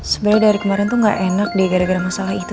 sebenarnya dari kemarin tuh gak enak deh gara gara masalah itu